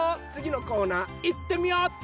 つぎのコーナーいってみよう！